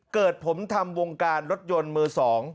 เกิดผมทำวงการรถยนต์มือ๒